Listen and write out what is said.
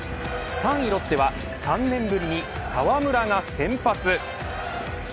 ３位ロッテは３年ぶりに澤村が先発。